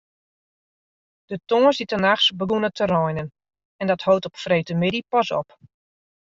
De tongersdeitenachts begûn it te reinen en dat hold op freedtemiddei pas op.